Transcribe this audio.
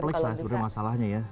kompleks lah sebenarnya masalahnya ya